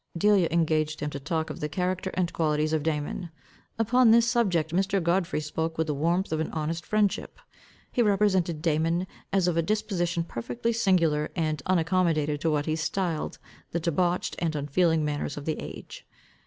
Delia engaged him to talk of the character and qualities of Damon. Upon this subject, Mr. Godfrey spoke with the warmth of an honest friendship. He represented Damon as of a disposition perfectly singular and unaccommodated to what he stiled "the debauched and unfeeling manners of the age."